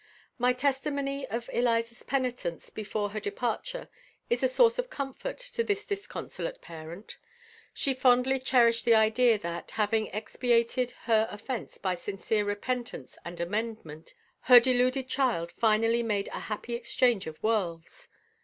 My testimony of Eliza's penitence before her departure is a source of comfort to this disconsolate parent. She fondly cherished the idea that, having expiated her offence by sincere repentance and amendment, her deluded child finally made a happy exchange of worlds.